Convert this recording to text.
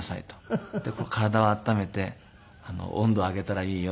「体を温めて温度を上げたらいいよ」